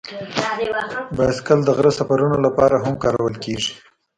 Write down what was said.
بایسکل د غره سفرونو لپاره هم کارول کېږي.